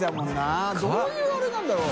發鵑どういうあれなんだろう？